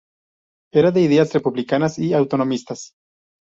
Era de ideas republicanas y autonomistas.